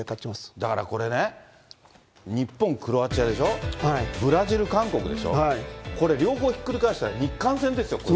だからこれね、日本、クロアチアでしょ、ブラジル、韓国でしょ、これ、両方ひっくり返したら日韓戦ですよ、これ。